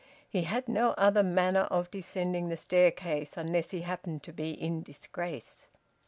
He had no other manner of descending the staircase, unless he happened to be in disgrace.